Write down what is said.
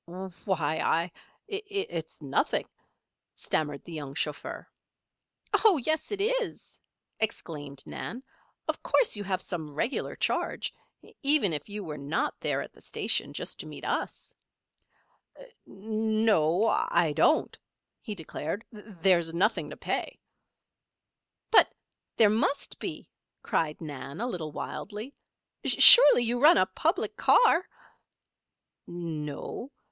"Why I It's nothing," stammered the young chauffeur. "Oh, yes it is!" exclaimed Nan. "Of course you have some regular charge even if you were not there at the station just to meet us." "No o, I don't," he declared. "There's nothing to pay." "But there must be!" cried Nan, a little wildly. "Surely you run a public car?" "No.